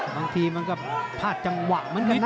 บางทีมันก็พลาดจังหวะเหมือนกันนะ